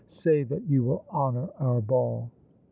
Say that you will honour our ball."